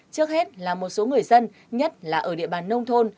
trước hết là một số người dân nhất là ở địa bàn nông thôn